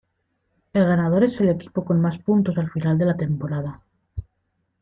El ganador es el equipo con más puntos al final de la temporada.